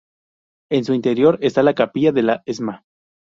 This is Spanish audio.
En su interior está la capilla de la Sma.